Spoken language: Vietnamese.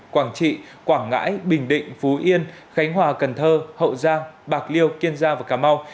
quảng trị quảng ngãi bình định phú yên khánh hòa cần thơ hậu giang bạc liêu kiên giang và cà mau